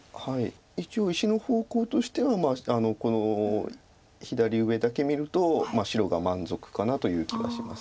一応石の方向としてはこの左上だけ見ると白が満足かなという気がします。